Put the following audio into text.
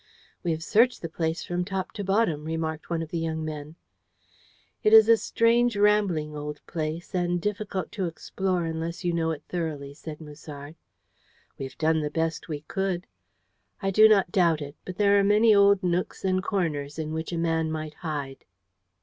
"We have searched the place from top to bottom," remarked one of the young men. "It is a strange, rambling old place, and difficult to explore unless you know it thoroughly," said Musard. "We have done the best we could." "I do not doubt it, but there are many old nooks and corners in which a man might hide."